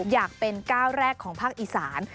อยากเป็นก้าวแรกของภาคอีสาน